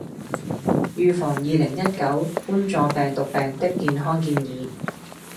預防二零一九冠狀病毒病的健康建議